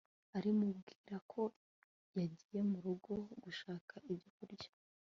ari mubwira ko yagiye murugo gushaka ibyo kurya